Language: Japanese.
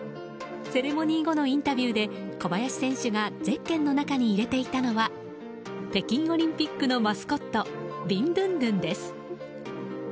セレモニー後のインタビューで小林選手がゼッケンの中に入れていたのは北京オリンピックのマスコットビンドゥンドゥンです。